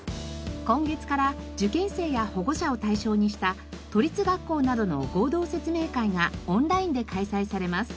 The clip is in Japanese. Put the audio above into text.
今月から受験生や保護者を対象にした都立学校などの合同説明会がオンラインで開催されます。